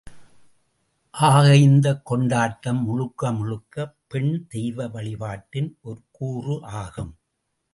ஆக இந்தக் கொண்டாட்டம் முழுக்க முழுக்க பெண் தெய்வ வழிபாட்டின் ஒரு கூறு ஆகும்.